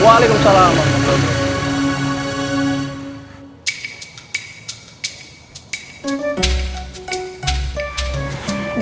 waalaikumsalam warahmatullahi wabarakatuh